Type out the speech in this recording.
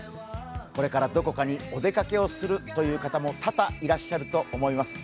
これからどこかにお出かけをするという方も多々いらっしゃると思います。